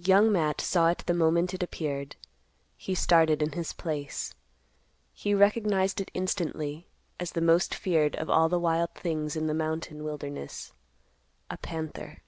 Young Matt saw it the moment it appeared. He started in his place. He recognized it instantly as the most feared of all the wild things in the mountain wilderness—a panther.